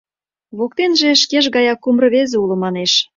Воктеныже шкеж гаяк кум рвезе уло, манеш.